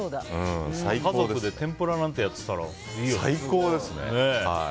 家族で天ぷらなんてやってたら最高ですね。